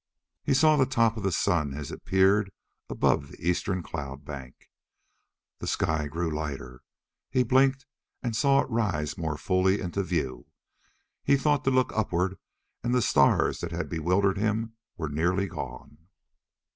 He saw the top of the sun as it peered above the eastern cloud bank. The sky grew lighter. He blinked and saw it rise more fully into view. He thought to look upward, and the stars that had bewildered him were nearly gone.